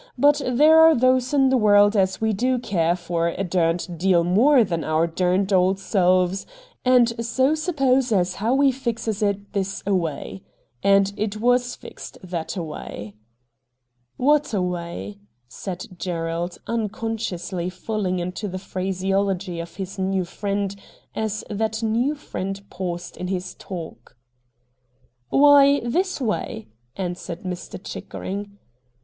But there are those in the world as we do care for a derned deal more than our derned old selves, and so suppose as how we fixes it this away," and it was fixed that away.' ' What away ?' said Gerald, unconsciously falling into the phraseology of his new friend as that new friend paused in his talk. ' Why this way,' answered Mr. Chickering.